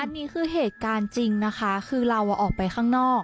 อันนี้คือเหตุการณ์จริงนะคะคือเราออกไปข้างนอก